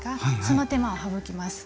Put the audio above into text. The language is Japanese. その手間を省きます。